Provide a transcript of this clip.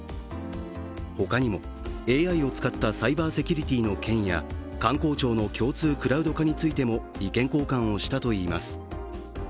他にもＡＩを使ったサイバーセキュリティーの件や官公庁の共通クラウド化についても意見交換したといいます。